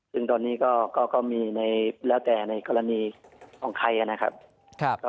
ซึ่งตอนนี้ก็มีแล้วแต่ในกรณีของใครนะครับ